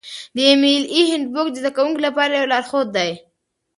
د ایم ایل اې هینډبوک د زده کوونکو لپاره یو لارښود دی.